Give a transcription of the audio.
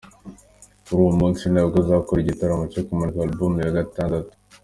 Kuri uwo munsi ni nabwo azakora gitaramo cyo kumurika album ya Gatandatu.